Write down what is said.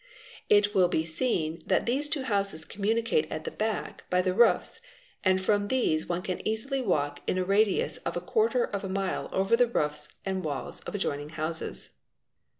It will be seen that these two houses communicate at the back by the roofs, and from these one can easily walk in a radius of a quarter of 1 mile over the roofs and walls of adjoining houses.